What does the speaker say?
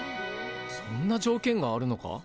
そんな条件があるのか？